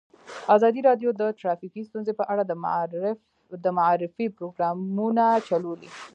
ازادي راډیو د ټرافیکي ستونزې په اړه د معارفې پروګرامونه چلولي.